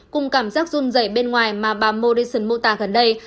cùng cảm giác rung dày bên ngoài mà bà morrison mô tả gần đây